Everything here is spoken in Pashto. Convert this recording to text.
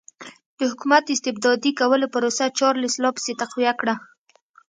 د حکومت استبدادي کولو پروسه چارلېس لا پسې تقویه کړه.